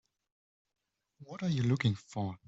What are you looking for?